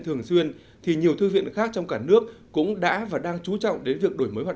thường xuyên thì nhiều thư viện khác trong cả nước cũng đã và đang chú trọng đến việc đổi mới hoạt